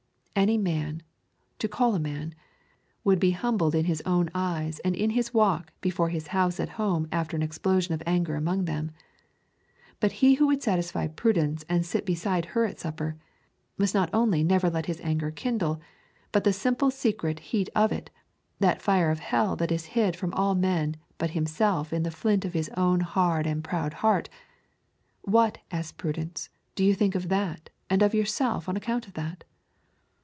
Any man, to call a man, would be humbled in his own eyes and in his walk before his house at home after an explosion of anger among them; but he who would satisfy Prudence and sit beside her at supper, must not only never let his anger kindle, but the simple secret heat of it, that fire of hell that is hid from all men but himself in the flint of his own hard and proud heart, what, asks Prudence, do you think of that, and of yourself on account of that?